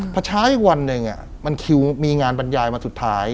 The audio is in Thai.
พอเช้าอีกวันหนึ่งมันคิวมีงานบรรยายมาสุดท้าย